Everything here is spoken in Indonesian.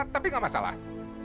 tapi nggak masalah